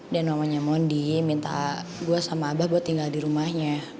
dan mamanya mondi minta gue sama abah buat tinggal di rumahnya